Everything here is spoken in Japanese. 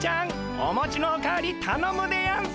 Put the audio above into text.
おもちのお代わりたのむでやんす！